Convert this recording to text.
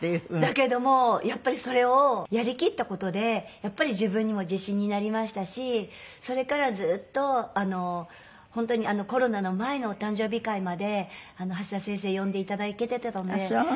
だけどもそれをやりきった事でやっぱり自分にも自信になりましたしそれからはずっと本当にコロナの前のお誕生日会まで橋田先生呼んでいただけてたので。